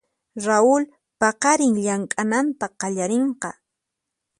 Raul paqarin llamk'ananta qallarinqa.